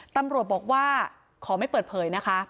ตำรวจบอกว่าขอไม่เปิดเผยนะคะ